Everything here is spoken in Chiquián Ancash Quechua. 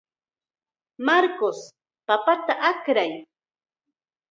Marcos, papata akray.